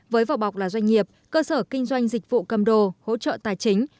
với vỏ bọc là doanh nghiệp cơ sở kinh doanh dịch vụ cầm đồ hỗ trợ tài chính